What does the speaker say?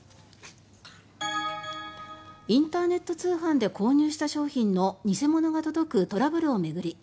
インターネット通販で購入した商品の偽物が届くトラブルを巡り